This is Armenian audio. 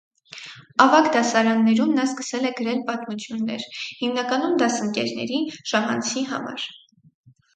Ավագ դասարաններում նա սկսել է գրել պատմություններ՝ հիմնականում դասընկերների ժամանցի համար։